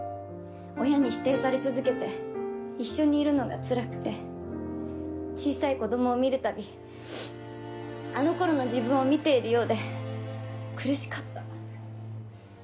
親に否定され続けて一緒にいるのがつらくて小さい子供を見る度あの頃の自分を見ているようで苦しかった。